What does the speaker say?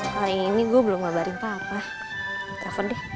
hari ini gue belum ngabarin papa